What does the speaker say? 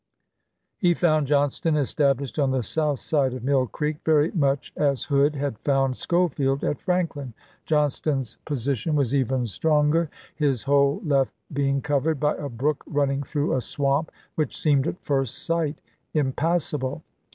He found Johnston established on the south side of Mill Creek very much as Hood had found Schofield at Franklin ; Johnston's position was even stronger, his whole left being covered by a brook running through a swamp which seemed at first sight impassable.